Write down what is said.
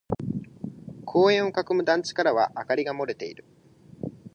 公園を囲む団地からは明かりが漏れている。